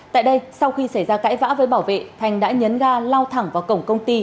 tại đây sau khi xảy ra cãi vã với bảo vệ thành đã nhấn ga lao thẳng vào cổng công ty